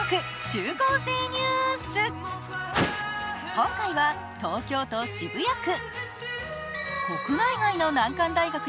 今回は、東京都・渋谷区。